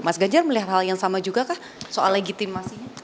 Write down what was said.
mas ganjar melihat hal yang sama juga kah soal legitimasinya